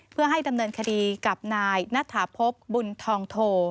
เพื่อให้ดำเนินคดีกับนนพบุญทองโถ